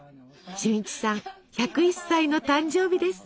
俊一さん１０１歳の誕生日です。